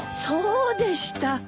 そうでした。